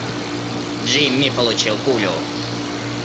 Джимми получил пулю.